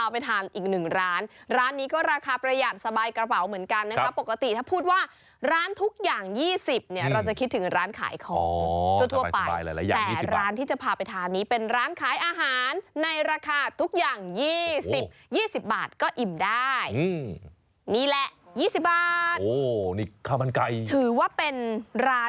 ไปทานอีกหนึ่งร้านร้านนี้ก็ราคาประหยัดสบายกระเป๋าเหมือนกันนะครับปกติถ้าพูดว่าร้านทุกอย่างยี่สิบเนี่ยเราจะคิดถึงร้านขายของอ๋อสบายสบายหลายหลายอย่างยี่สิบบาทแต่ร้านที่จะพาไปทานนี้เป็นร้านขายอาหารในราคาทุกอย่างยี่สิบยี่สิบบาทก็อิ่มได้อืมนี่แหละยี่สิบบาทโอ้นี่ข้ามันไกลถือว่าเป็นร้